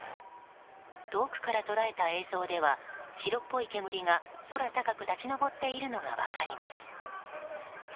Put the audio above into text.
遠くから捉えた映像では白っぽい煙が空高く立ち上っているのが分かります。